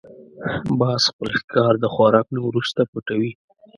باز خپل ښکار د خوراک نه وروسته پټوي